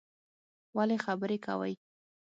ولی خبری کوی